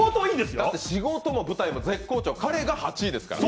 だって仕事も舞台も絶好調、彼が８位ですからね。